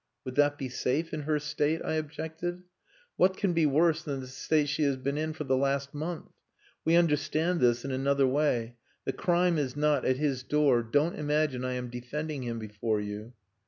"Would that be safe in her state?" I objected. "What can be worse than the state she has been in for the last month? We understand this in another way. The crime is not at his door. Don't imagine I am defending him before you."